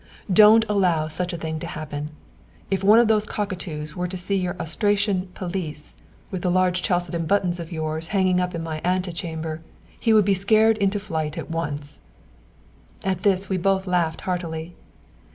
Don't allow such a thing to happen. If one of those cockatoos were to see your astrachan pelisse with the large chalcedon buttons of yours hanging up in my ante chamber, he would be scared into flight at once." At this we both laughed heartily.